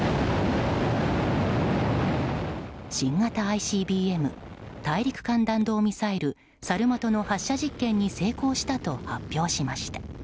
新型ＩＣＢＭ・大陸間弾道ミサイル、サルマトの発射実験に成功したと発表しました。